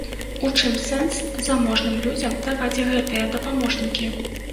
У чым сэнс заможным людзям даваць гэтыя дапаможнікі?